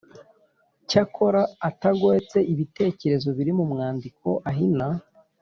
cyokora atagoretse ibitekerezo biri mu mwandiko ahina.